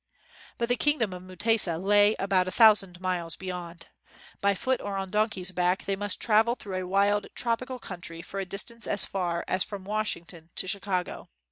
But the kingdom of Mutesa lay about a thousand miles beyond. By foot or on don key's back, they must travel through a wild tropical country for a distance as far as from Washington to Chicago.